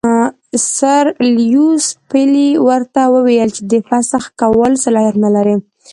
سر لیویس پیلي ورته وویل چې د فسخ کولو صلاحیت نه لري.